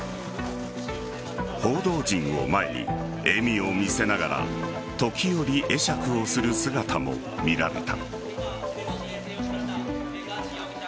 報道陣を前に、笑みを見せながら時折、会釈をする姿も見られた。